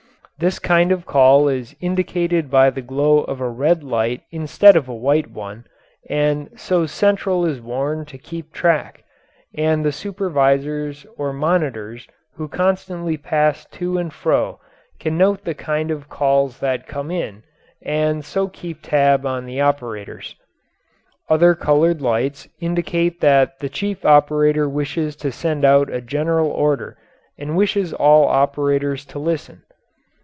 This kind of call is indicated by the glow of a red light instead of a white one, and so "central" is warned to keep track, and the supervisors or monitors who constantly pass to and fro can note the kind of calls that come in, and so keep tab on the operators. Other coloured lights indicate that the chief operator wishes to send out a general order and wishes all operators to listen.